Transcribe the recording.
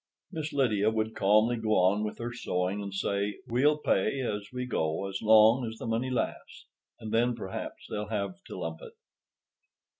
Miss Lydia would calmly go on with her sewing and say, "We'll pay as we go as long as the money lasts, and then perhaps they'll have to lump it."